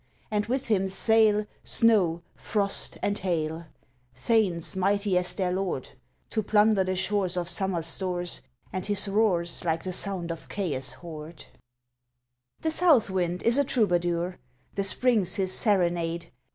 And with him sail Snow, Frost, and Hail, Thanes mighty as their lord, To plunder the shores of Summer's stores And his roar's Like the sound of Chaos' horde. The South Wind is a Troubadour; The Spring 's his serenade.